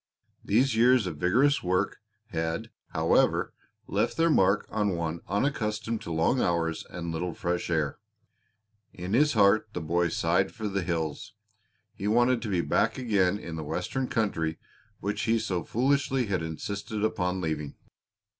These years of vigorous work had, however, left their mark on one unaccustomed to long hours and little fresh air. In his heart the boy sighed for the hills he wanted to be back again in the Western country which he so foolishly had insisted upon leaving.